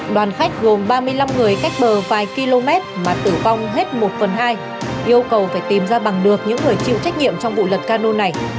đoàn khách gồm ba mươi năm người cách bờ vài km mà tử vong hết một phần hai yêu cầu phải tìm ra bằng được những người chịu trách nhiệm trong vụ lật cano này